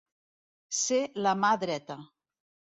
Ser la mà dreta.